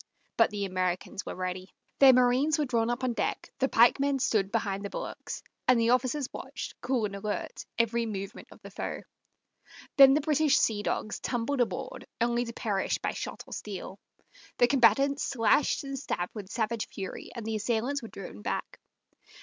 But the Americans were ready. Their marines were drawn up on deck, the pikemen stood behind the bulwarks, and the officers watched, cool and alert, every movement of the foe. Then the British sea dogs tumbled aboard, only to perish by shot or steel. The combatants slashed and stabbed with savage fury, and the assailants were driven back.